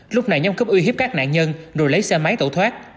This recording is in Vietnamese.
lúc này nhóm cướp uy hiếp các nạn nhân rồi lấy xe máy tẩu thoát